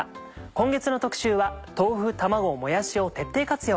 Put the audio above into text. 今月の特集は豆腐卵もやしを徹底活用。